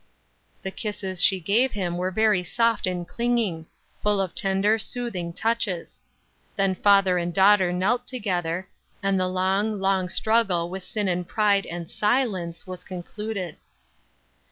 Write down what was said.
The kisses she gave him were very soft and clinging full of tender, soothing touches. Then father and daughter knelt together, and the long, long struggle with sin and pride and silence was concluded.